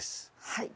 はい。